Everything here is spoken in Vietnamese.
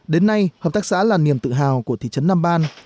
đến nay hợp tác xã là niềm tự hào của thị trấn nam ban